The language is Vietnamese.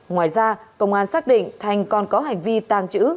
ngoài ra công an xác định thành còn có hành vi tàng trữ